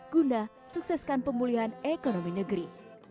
guna sukseskan pemulihan ekonomi negeri